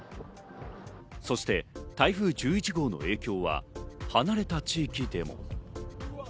そして台風１１号の影響は離れた地域でも。